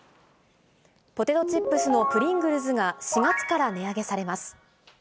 ポテトチップスのプリングルズが４月から値上げされます。